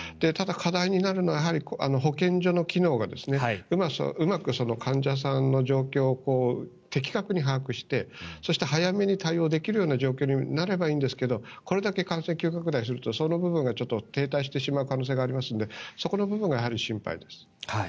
ただ、課題になるのは保健所の機能がうまく患者さんの状況を的確に把握してそして、早めに対応できるような状況になればいいんですけどこれだけ感染が急拡大するとその部分がちょっと停滞してしまう可能性がありますのでそこの部分が心配です。